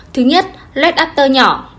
thứ nhất lết after nhỏ